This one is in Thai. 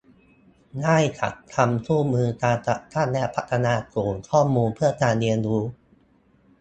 ได้จัดทำคู่มือการจัดตั้งและพัฒนาศูนย์ข้อมูลเพื่อการเรียนรู้